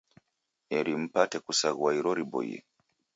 Eri mpate kusaghua iro riboie